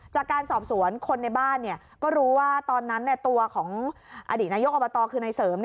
จากการสอบสวนคนในบ้านก็รู้ว่าตอนนั้นตัวของอดีตนายกอบตคือนายเสริม